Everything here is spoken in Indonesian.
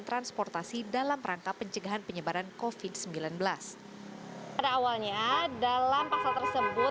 transportasi dalam rangka pencegahan penyebaran kofit sembilan belas pada awalnya dalam pasal tersebut